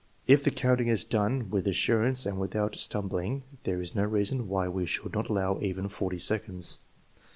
If the counting is done with assurance and without stum bling, there is no reason why we should not allow even forty seconds.